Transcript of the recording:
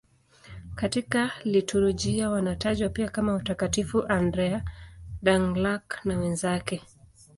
Katika liturujia wanatajwa pia kama Watakatifu Andrea Dũng-Lạc na wenzake.